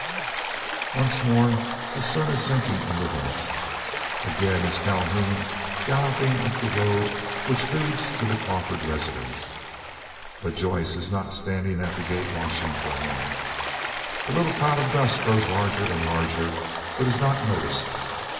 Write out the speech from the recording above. Once more the sun is sinking in the west; again is Calhoun galloping up the road which leads to the Crawford residence. But Joyce is not standing at the gate watching for him. The little cloud of dust grows larger and larger, but it is not noticed.